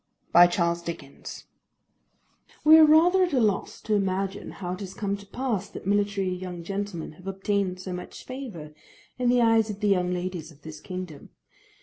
THE MILITARY YOUNG GENTLEMAN WE are rather at a loss to imagine how it has come to pass that military young gentlemen have obtained so much favour in the eyes of the young ladies of this kingdom.